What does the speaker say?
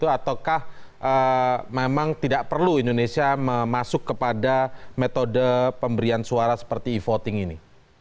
ataukah memang tidak perlu indonesia masuk kepada metode pemberian suara seperti e voting ini